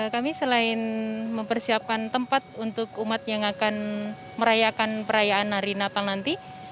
kami selain mempersiapkan tempat untuk umat yang akan merayakan perayaan hari natal nanti